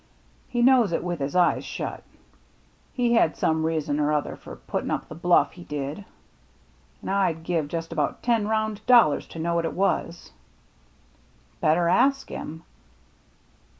He knows it with his eyes shut. He had some reason or other for puttin* up the bluflF he did, an' I'd give just about ten round dollars to know what it was." " Better ask him."